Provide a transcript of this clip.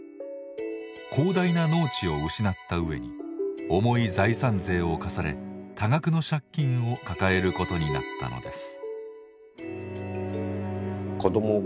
広大な農地を失った上に重い財産税を課され多額の借金を抱えることになったのです。